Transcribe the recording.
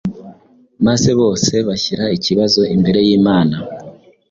maze bose bashyira ikibazo imbere y’Imana,